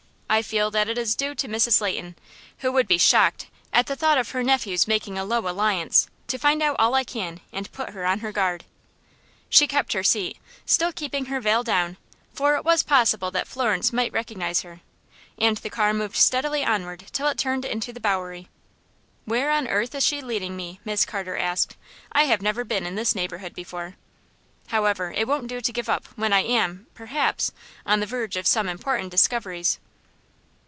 I feel that it is due to Mrs. Leighton, who would be shocked at the thought of her nephew's making a low alliance, to find out all I can, and put her on her guard." She kept her seat, still keeping her veil down, for it was possible that Florence might recognize her; and the car moved steadily onward till it turned into the Bowery. "Where on earth is she leading me?" Miss Carter asked herself. "I have never been in this neighborhood before. However, it won't do to give up, when I am, perhaps, on the verge of some important discoveries."